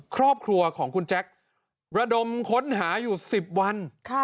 ครอบครัวของคุณแจ๊กระดมค้นหาอยู่๑๐วัน